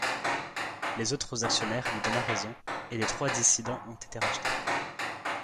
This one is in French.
Les autres actionnaires lui donna raison et les trois dissidents ont été rachetés.